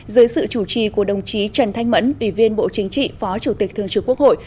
dưới sự chủ trì của đồng chí trần thanh mẫn ủy viên bộ chính trị phó chủ tịch thường trực quốc hội